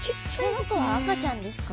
この子は赤ちゃんですか？